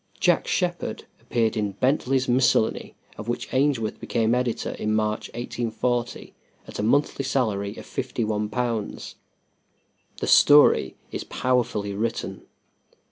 "Jack Sheppard" appeared in Bentley's Miscellany, of which Ainsworth became editor in March, 1840, at a monthly salary of £51. The story is powerfully written.